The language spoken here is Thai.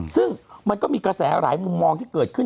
ซึ่งมันก็มีกระแสหลายมุมมองที่เกิดขึ้น